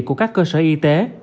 của các cơ sở y tế